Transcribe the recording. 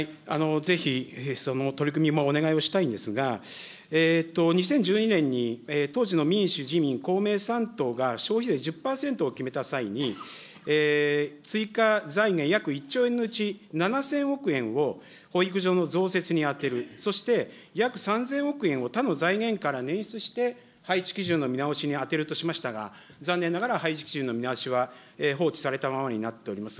ぜひ、その取り組みもお願いをしたいんですが、２０１２年に当時の民主、自民、公明３党が消費税１０％を決めた際に、追加財源約１兆円のうち７０００億円を保育所の増設に充てる、そして約３０００億円を他の財源から捻出して配置基準の見直しに充てるとしましたが、残念ながら配置基準の見直しは放置されたままになっております。